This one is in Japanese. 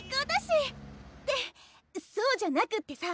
そうじゃなくってさ